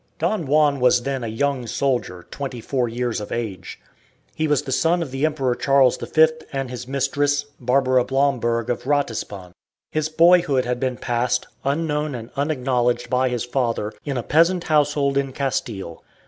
Don Juan was then a young soldier, twenty four years of age. He was the son of the Emperor Charles V and his mistress, Barbara Blomberg of Ratisbon. His boyhood had been passed, unknown and unacknowledged by his father, in a peasant household in Castille.